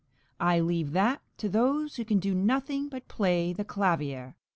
I leave that to those who can do nothing but play the clavier.